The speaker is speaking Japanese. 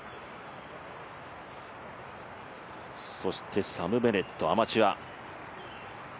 そしてサム・ベネット、アマチュア。